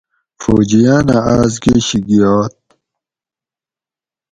فوجیانہ آس گشی گیات